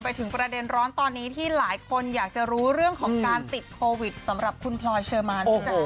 ไปถึงประเด็นร้อนตอนนี้ที่หลายคนอยากจะรู้เรื่องของการติดโควิดสำหรับคุณพลอยเชอร์มานนะจ๊ะ